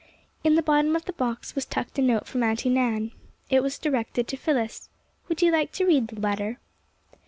In the bottom of the box was tucked a note from Auntie Nan. It was directed to Phyllis. Would you like to read the letter?